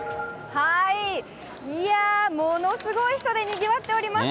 いやー、ものすごい人でにぎわっております。